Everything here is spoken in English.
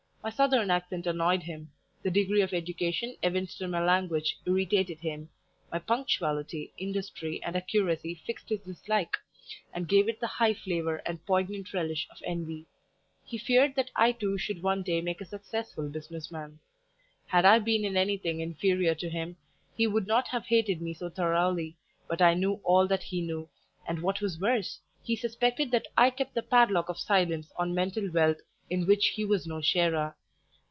My southern accent annoyed him; the degree of education evinced in my language irritated him; my punctuality, industry, and accuracy, fixed his dislike, and gave it the high flavour and poignant relish of envy; he feared that I too should one day make a successful tradesman. Had I been in anything inferior to him, he would not have hated me so thoroughly, but I knew all that he knew, and, what was worse, he suspected that I kept the padlock of silence on mental wealth in which he was no sharer.